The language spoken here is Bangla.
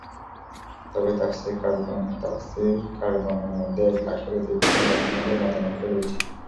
তবে তাফসীরকারগণের মধ্যে এক লাখের অতিরিক্ত সংখ্যা সম্বন্ধে মতানৈক্য রয়েছে।